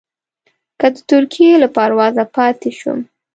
که د ترکیې له پروازه پاتې شوم.